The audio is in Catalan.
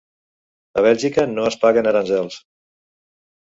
A Bèlgica no es paguen aranzels